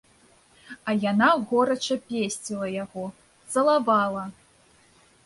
А яна горача песціла яго, цалавала.